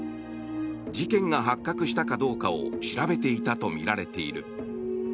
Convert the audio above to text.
事件が発覚したかどうかを調べていたとみられている。